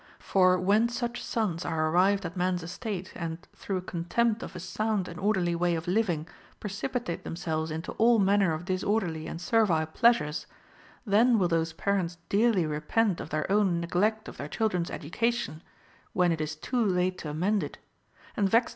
For when such sons are arrived at mans estate, and, through contempt of a sound an) orderly way of living, precipitate themselves into all man ner of disorderly and servile pleasures, then will those parents dearly repent of their own neglect of their chil dren's education, when it is too late to amend it ; and vex 12 OF THE TRAIXIXG OF CHILDREN.